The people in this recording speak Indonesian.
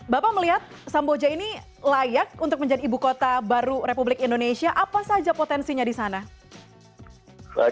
bapak melihat samboja ini layak untuk menjadi ibu kota baru republik indonesia apa saja potensinya di sana